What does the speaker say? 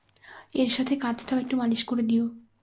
এর সাথে, কাঁধটাও একটু মালিশ করে দিও।